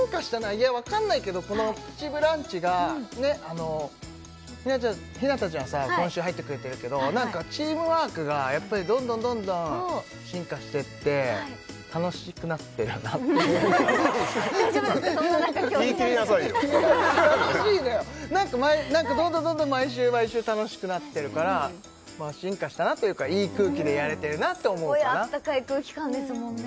いやわかんないけどこの「プチブランチ」が日向ちゃんさ今週入ってくれてるけどなんかチームワークがやっぱりどんどんどんどん進化してって楽しくなってるなっていう言い切りなさいよ楽しいのよなんかどんどんどんどん毎週毎週楽しくなってるから進化したなっていうかいい空気でやれてるなって思うかなすごいあったかい空気感ですもんね